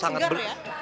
cantik segar ya